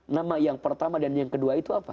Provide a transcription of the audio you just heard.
nama yang pertama dan yang kedua itu apa